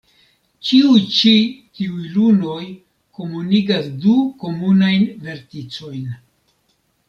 Ĉiuj ĉi tiuj lunoj komunigas du komunajn verticojn.